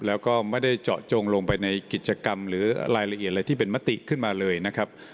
แล้วก็ไม่ได้เจาะจงลงไปในกิจกรรมหรือรายละเอียดอะไรที่เป็นมติขึ้นมาเลยนะครับ